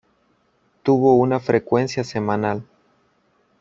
Tuvo una frecuencia semanal.